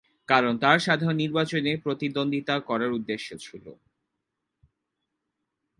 কারণ তার সাধারণ নির্বাচনে প্রতিদ্বন্দ্বিতা করার উদ্দেশ্যে ছিল।